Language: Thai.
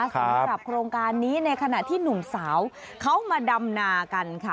สำหรับโครงการนี้ในขณะที่หนุ่มสาวเขามาดำนากันค่ะ